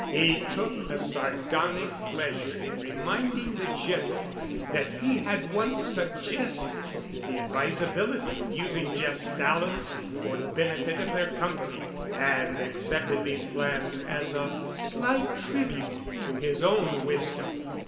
He took a sardonic pleasure in reminding the General that he had once suggested the advisability of using Jeff's talents for the benefit of their company—and accepted these plans as a slight tribute to his own wisdom.